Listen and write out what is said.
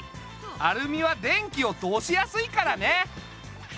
アルミは電気を通しやすいからね。